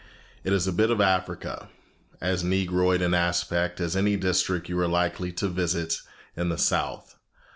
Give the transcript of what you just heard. It is a bit of Africa, as Negroid in aspect as any district you are likely to visit in the South.